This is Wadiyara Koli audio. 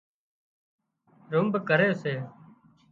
رنڀ ڪري سي